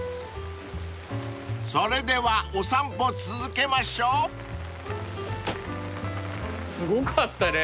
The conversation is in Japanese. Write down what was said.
［それではお散歩続けましょう］すごかったね。